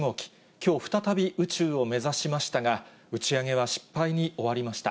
きょう、再び宇宙を目指しましたが、打ち上げは失敗に終わりました。